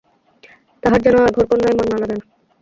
তাঁহার যেন আর ঘরকন্নায় মন লাগে না।